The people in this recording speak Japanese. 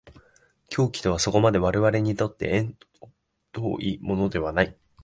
狂気とはそこまで我々にとって縁遠いものではない。